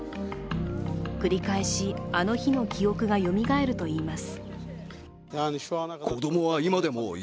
繰り返しあの日の記憶がよみがえるといいます。